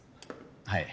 はい。